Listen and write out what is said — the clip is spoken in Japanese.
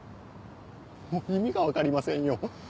もう意味が分かりませんよ。